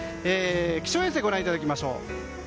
気象衛星をご覧いただきましょう。